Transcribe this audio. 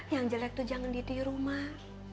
yang jelek itu jangan didiru mak